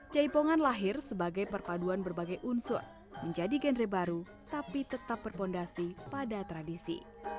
jaipongan lahir sebagai perpaduan berbagai unsur menjadi genre baru tapi tetap berpondasi pada tradisi